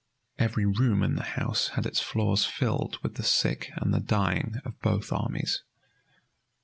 Every room in the house had its floors filled with the sick and the dying of both armies.